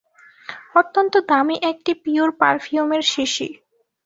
অত্যন্ত দামী একটি পিওর পারফিউমের শিশি।